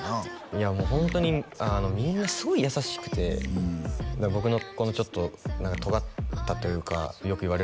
いやもうホントにみんなすごい優しくて僕のこのちょっと何かとがったというかよく言われるんですけど